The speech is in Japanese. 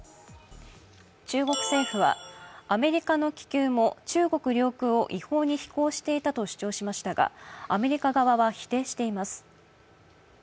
中国政府はアメリカの気球も中国領空を違法に飛行していたと主張しましたがアメリカ側は否定しています。